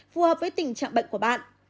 phù hợp với tình trạng bệnh của bạn